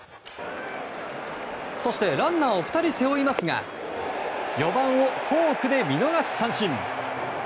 そしてランナーを２人背負いますが４番をフォークで見逃し三振。